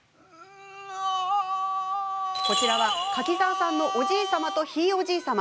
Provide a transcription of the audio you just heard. こちらは、柿澤さんのおじい様とひいおじい様。